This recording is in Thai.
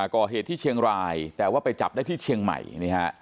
ก่อเหตุที่เชียงรายแต่ว่าไปจับได้ที่เชียงใหม่นี่ฮะ